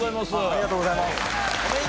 ありがとうございます。